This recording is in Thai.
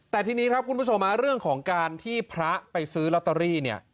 แต่ทีนี้ครับคุณผู้ชมเรื่องของการที่พระไปซื้อลอตเตอรี่เนี่ย